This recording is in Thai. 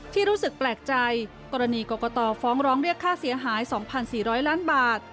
รู้สึกแปลกใจกรณีกรกตฟ้องร้องเรียกค่าเสียหาย๒๔๐๐ล้านบาท